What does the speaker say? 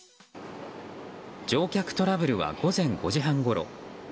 乗客トラブルは午前５時半ごろ